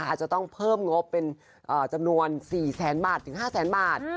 อาจจะต้องเพิ่มงบเป็นจำนวน๔แสนบาทถึง๕แสนบาท